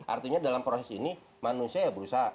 artinya dalam proses ini manusia ya berusaha